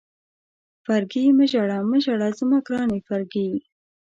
فرګي مه ژاړه، مه ژاړه زما ګرانې فرګي.